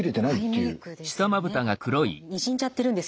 にじんじゃってるんですよね。